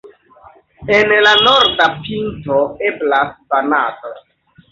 En la norda pinto eblas banado.